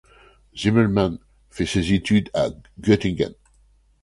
Zimmermann fait ses études à Göttingen.